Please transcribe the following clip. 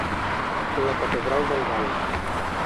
La catedral del Vall